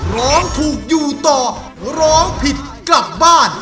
ร้องถูกอยู่ต่อร้องผิดกลับบ้าน